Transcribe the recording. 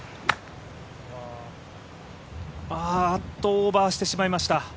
オーバーしてしまいました。